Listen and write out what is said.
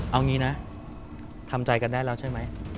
เอางี้นะทำใจกันได้แล้วใช่ไหม